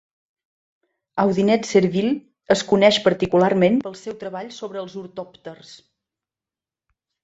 Audinet-Serville es coneix particularment pel seu treball sobre els ortòpters.